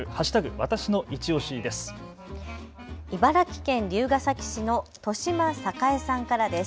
わたしのいちオシです。